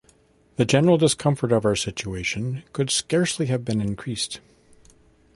The general discomfort of our situation could scarcely have been increased.